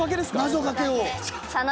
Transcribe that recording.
謎かけを。